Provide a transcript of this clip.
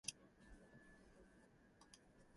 There is a station named "Ping Shan".